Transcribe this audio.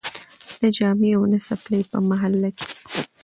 نه جامې او نه څپلۍ په محله کي